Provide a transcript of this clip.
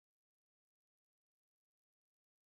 Another player, Jim Egan, was wounded, but survived.